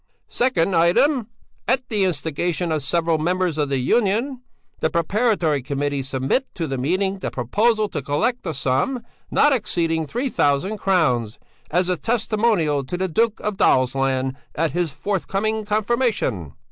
"Second item: At the instigation of several members of the Union, the Preparatory Committee submit to the meeting the proposal to collect a sum, not exceeding three thousand crowns, as a testimonial to the Duke of Dalsland at his forthcoming confirmation.